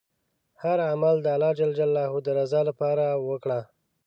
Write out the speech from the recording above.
هر عمل د الله ﷻ د رضا لپاره وکړه.